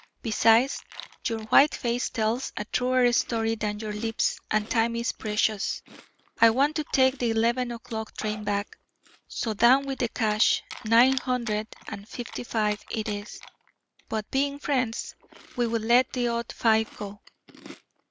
Besides, your white face tells a truer story than your lips, and time is precious. I want to take the 11 o'clock train back. So down with the cash. Nine hundred and fifty five it is, but, being friends, we will let the odd five go."